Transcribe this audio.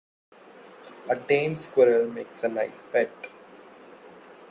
A tame squirrel makes a nice pet.